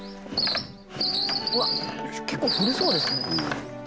うわっ結構古そうですね。